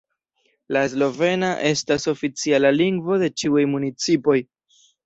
La slovena estas oficiala lingvo de ĉiuj municipoj.